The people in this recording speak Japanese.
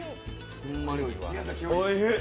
おいしい。